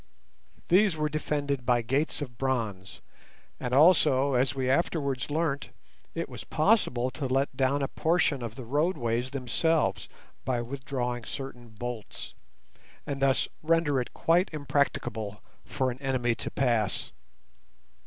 These were defended by gates of bronze, and also, as we afterwards learnt, it was possible to let down a portion of the roadways themselves by withdrawing certain bolts, and thus render it quite impracticable for an enemy to pass.